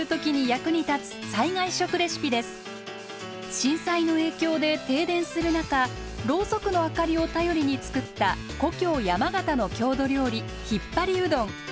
震災の影響で停電する中ろうそくの明かりを頼りに作った故郷山形の郷土料理ひっぱりうどん。